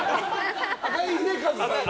赤井英和さん。